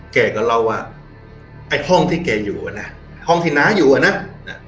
แกก็เล่าว่าไอ้ห้องที่แกอยู่อ่ะนะห้องที่น้าอยู่อ่ะนะ